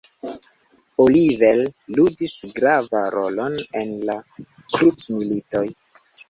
Oliver ludis gravan rolon en la krucmilitoj.